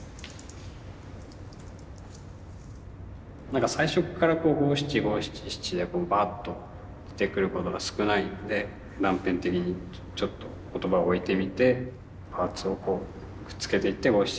なんか最初から五七五七七でバーッと出てくることが少ないので断片的にちょっと言葉を置いてみてパーツをくっつけていって五七五七七にしようとしてるっていう。